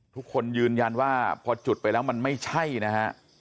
ทุกคนยืนยันว่าพอจุดไปแล้วมันไม่ใช่นะฮะ